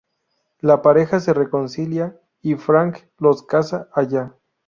La pareja se reconcilia, y Frank los casa allá.